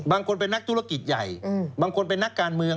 บางคนเป็นนักธุรกิจใหญ่บางคนเป็นนักการเมือง